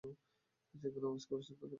এখন আওয়াজ করছেন কেন?